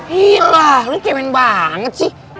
hiiir lah lu cewek banget sih